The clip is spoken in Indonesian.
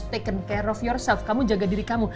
take care of yourself kamu jaga diri kamu